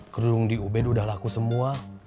kerung di ubed udah laku semua